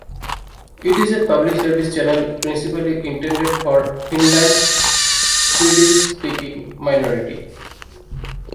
It is a public-service channel principally intended for Finland's Swedish-speaking minority.